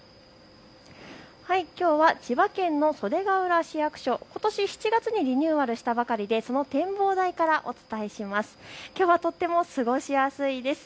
きょうは千葉県の袖ケ浦市役所ことし７月にリニューアルしたばかりでその展望台からお伝えします。